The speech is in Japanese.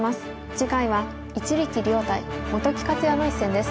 次回は一力遼対本木克弥の一戦です。